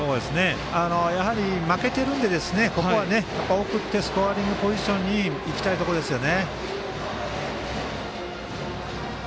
やはり負けているのでここは送ってスコアリングポジションにいきたいところですよね。